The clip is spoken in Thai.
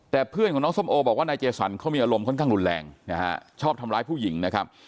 แต่เพื่อนของน้องส้มโอบอกว่านายเจสันเขามีอารมณ์ค่อนข้างรุนแรงนะฮะชอบทำร้ายผู้หญิงนะครับ